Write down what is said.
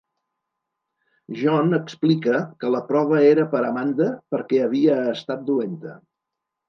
John explica que la prova era per Amanda perquè havia estat dolenta.